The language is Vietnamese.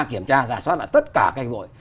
kiểm tra giả soát là tất cả các hiệp vụ